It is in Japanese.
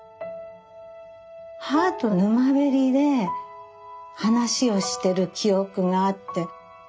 母と沼べりで話をしてる記憶があって。